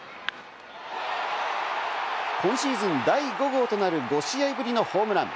今シーズン第５号となる５試合ぶりのホームラン。